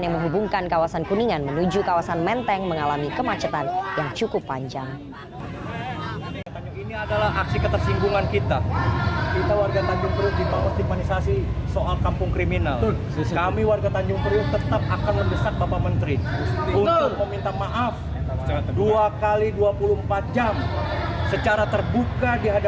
yang menghubungkan kawasan kuningan menuju kawasan menteng mengalami kemacetan yang cukup panjang